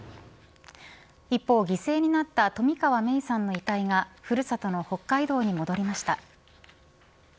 一方、犠牲になった冨川芽衣さんの遺体がふるさとの北海道に戻りました。